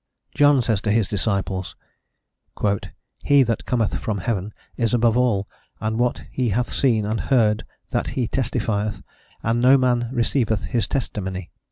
John says to his disciples: "He that cometh from heaven is above all, and what he hath seen and heard that he testifieth, and no man receiveth his testimony."